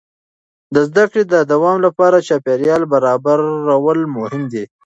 د زده کړې د دوام لپاره چاپېریال برابرول مهم دي.